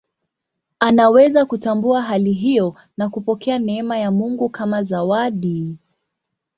Anaweza kutambua hali hiyo na kupokea neema ya Mungu kama zawadi.